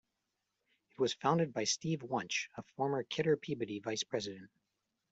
It was founded by Steve Wunsch, a former Kidder Peabody Vice President.